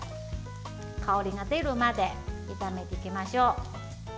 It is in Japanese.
香りが出るまで炒めていきましょう。